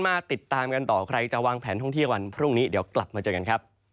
มาติดตามกันต่อใครจะวางแผนท่องเที่ยววันพรุ่งนี้เดี๋ยวกลับมาเจอกันครับ